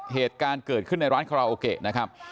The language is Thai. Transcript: เหตุการณ์เกิดขึ้นในร้านคาราโอเกะนะครับ